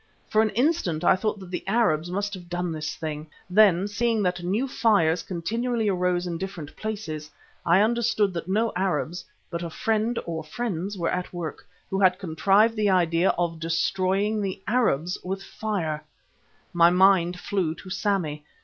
For an instant I thought that the Arabs must have done this thing. Then, seeing that new fires continually arose in different places, I understood that no Arabs, but a friend or friends were at work, who had conceived the idea of destroying the Arabs with fire. My mind flew to Sammy.